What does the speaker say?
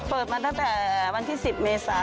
เปิดมาตั้งแต่วันที่๑๐เมษา